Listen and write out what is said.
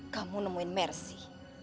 kamu nemuin mercy